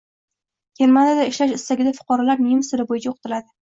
Germaniyada ishlash istagidagi fuqarolar nemis tili bo‘yicha o‘qitilading